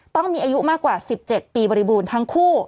ต้องมีอายุมากกว่า๑๗ปีบริบูรณ์ทั้งคู่